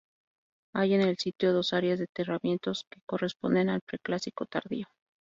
Hay en el sitio dos áreas de enterramientos que corresponden al preclásico tardío.